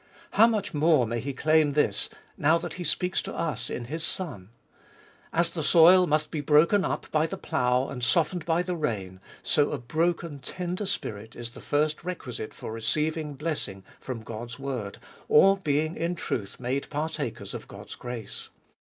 How much more may He claim this, now that He speaks to us in His Son. As the soil must be broken up by the plough and softened by the rain, so a broken, tender spirit is the first requisite for receiving blessing from God's word, or being in truth made partakers of God's grace.